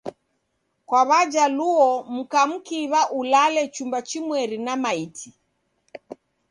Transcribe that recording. Kwa Wajaluo mka mkiw'a ulale chumba chimweri na maiti.